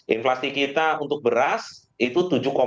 inflasi kita untuk beras itu tujuh sembilan puluh sembilan